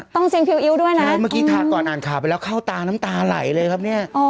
เสียงพิวอิ๊วด้วยนะใช่เมื่อกี้ทาก่อนอ่านข่าวไปแล้วเข้าตาน้ำตาไหลเลยครับเนี่ย